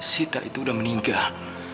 sita itu udah meninggal